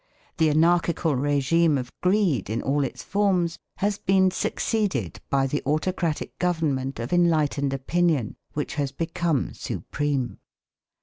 The anarchical regime of greed in all its forms has been succeeded by the autocratic government of enlightened opinion which has become supreme.